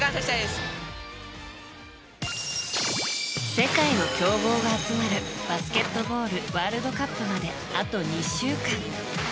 世界の強豪が集まるバスケットボールワールドカップまであと２週間。